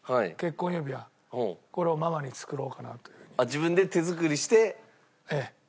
自分で手作りしてあげる？